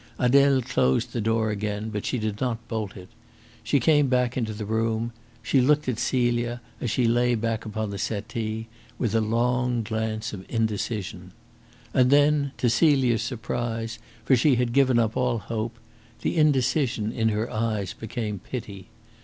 Adele closed the door again, but she did not bolt it. She came back into the room; she looked at Celia, as she lay back upon the settee, with a long glance of indecision. And then, to Celia's surprise for she had given up all hope the indecision in her eyes became pity.